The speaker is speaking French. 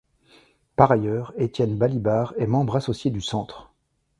Par ailleurs, Étienne Balibar est membre associé du centre.